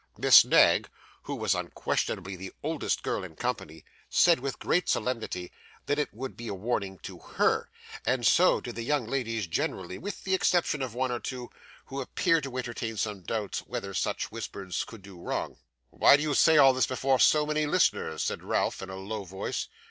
Miss Knag, who was unquestionably the oldest girl in company, said with great solemnity, that it would be a warning to HER, and so did the young ladies generally, with the exception of one or two who appeared to entertain some doubts whether such whispers could do wrong. 'Why do you say all this before so many listeners?' said Ralph, in a low voice.